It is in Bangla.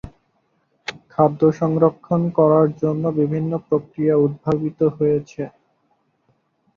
খাদ্য সংরক্ষণ করার জন্য বিভিন্ন প্রক্রিয়া উদ্ভাবিত হয়েছে।